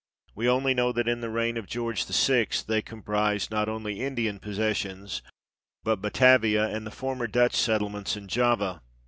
We only know that in the reign of George VI. they comprised not only Indian possessions, but Batavia and the former Dutch settlements in Java.